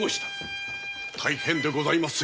大変でございます。